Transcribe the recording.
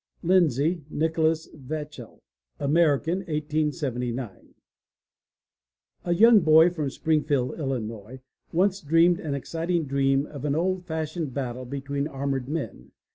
LINDSAY, NICHOLAS VACHELL (American, 1879 ) A young boy from Springfield, Illinois, once dreamed an exciting dream of an old fashioned battle between armored men.